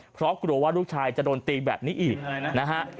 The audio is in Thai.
เพราะกลัวว่าลูกชายจะโดนตีแบบนี้อีกนะฮะ